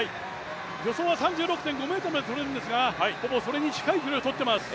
助走は３６．５ｍまで取れるんですが、ほぼそれに近い距離をとっています。